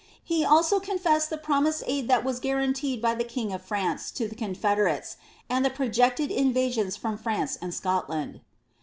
He also confessed the promised aid that was guaranteed by the king of France to the confedemtes, and the projected invasions from Fianee and Scotland.